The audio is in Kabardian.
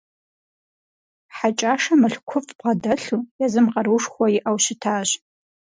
Хьэкӏашэ мылъкуфӏ бгъэдэлъу, езым къаруушхуэ иӏэу щытащ.